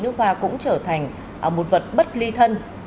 nước hoa cũng trở thành một vật bất ly thân